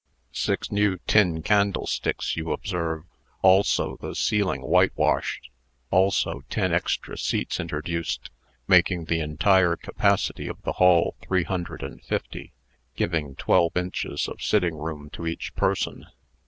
Six new tin candlesticks, you observe; also the ceiling whitewashed; also ten extra seats introduced, making the entire capacity of the hall three hundred and fifty giving twelve inches of sitting room to each person.